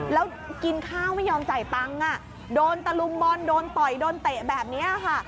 แล้วกินข้าวไม่ยอมจ่ายตังค์โดนตะลุมบอลโดนต่อยโดนเตะแบบนี้ค่ะ